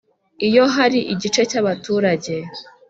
. Iyo hari igice cy'abaturage